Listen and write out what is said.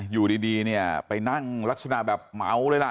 อยู่ดีเนี่ยไปนั่งลักษณะแบบเมาเลยล่ะ